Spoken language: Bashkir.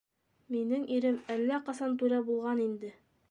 — Минең ирем әллә ҡасан түрә булған инде.